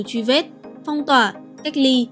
truy vết phong tỏa cách ly